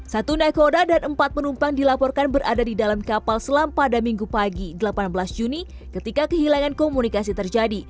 satu nakoda dan empat penumpang dilaporkan berada di dalam kapal selam pada minggu pagi delapan belas juni ketika kehilangan komunikasi terjadi